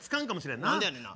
何でやねんな。